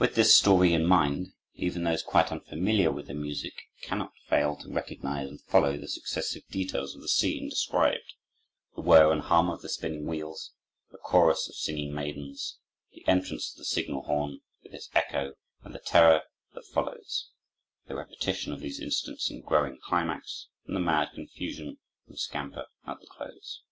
With this story in mind, even those quite unfamiliar with the music cannot fail to recognize and follow the successive details of the scene described: the whir and hum of the spinning wheels, the chorus of singing maidens, the entrance of the signal horn, with its echo and the terror that follows; the repetition of these incidents in growing climax, and the mad confusion and scamper at the close.